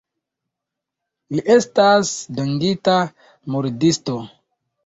Li estas dungita murdisto.